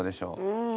うん。